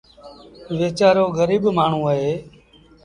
ويچآرو گريٚب مآڻهوٚٚݩ اهي۔